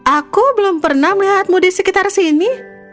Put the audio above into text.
aku belum pernah melihatmu di sekitar sini